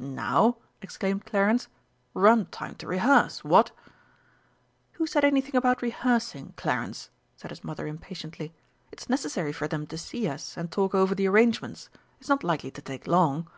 "Now?" exclaimed Clarence; "rum time to rehearse what?" "Who said anything about rehearsing, Clarence?" said his mother impatiently. "It's necessary for them to see us and talk over the arrangements. It's not likely to take long."